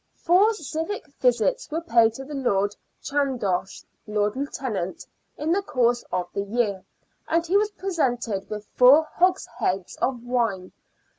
Four civic visits were paid to Lord Chandos, Lord Lieutenant, in the course of the year, and he was presented with four hogsheads of wine.